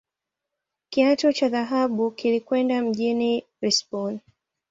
Kiatu cha dhahabu kilikwenda mjini Lisbon